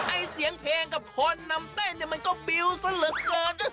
ไอ้เสียงเพลงกับคนนำเต้นเนี่ยมันก็บิวซะเหลือเกิน